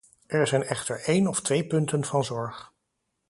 Er zijn echter één of twee punten van zorg.